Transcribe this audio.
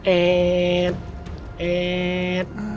แอดแอด